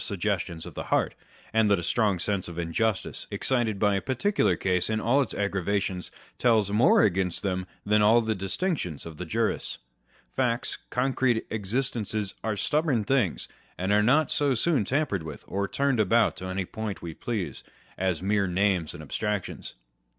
69 suggestions of the heart, and that a strong sense of injustice, excited by a particular case in all its aggravations, tells more against them than all the distinctions of the jurists. Facts, concrete existences, are stubborn things, and are not so soon tampered with or turned about to any point we please, as mere names and abstractions.